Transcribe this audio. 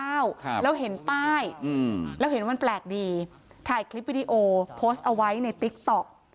ครับแล้วเห็นป้ายอืมแล้วเห็นมันแปลกดีถ่ายคลิปวิดีโอโพสต์เอาไว้ในติ๊กต๊อก